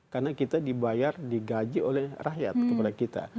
karena kita dibayar digaji oleh rakyat kepada kita